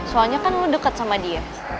soalnya kan lu deket sama dia